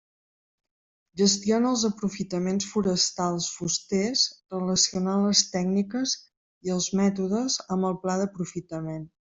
Gestiona els aprofitaments forestals fusters relacionant les tècniques i els mètodes amb el pla d'aprofitament.